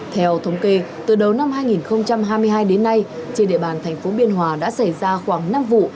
theo thống kê từ đầu năm hai nghìn hai mươi hai đến nay trên địa bàn thành phố biên hòa đã xảy ra khoảng năm vụ